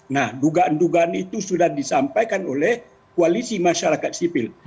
nah dugaan dugaan itu sudah disampaikan oleh koalisi masyarakat sipil